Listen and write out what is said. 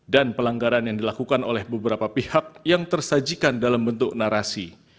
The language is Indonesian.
dan pelanggaran yang dilakukan oleh beberapa pihak yang tersajikan dalam bentuk narasi